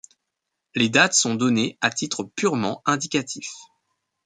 Les dates sont données à titre purement indicatif.